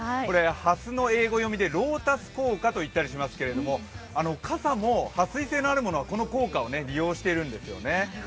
はすの英語読みでロータス効果といったりしますが、傘もはっ水性のあるものはこの効果を利用してるんですよね。